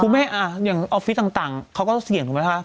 แม่อย่างออฟฟิศต่างเขาก็เสี่ยงถูกไหมคะ